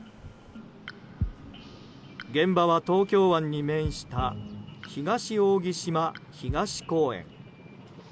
現場は東京湾に面した東扇島東公園。